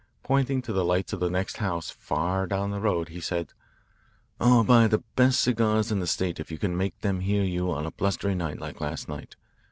Pointing to the lights of the next house, far down the road, he said, "I'll buy the best cigars in the state if you can make them hear you on a blustery night like last night.